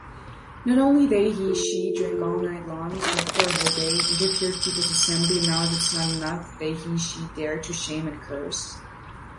Not only they/he /she drank all night long, slept for a whole day, interfered people’s assembly and now as it’s not enough, they /he/she dare to shame and curse.